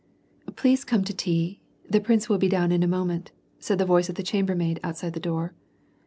" Please come to tea. The prince will be down in a moment," said the voice of the chambermaid outside the door.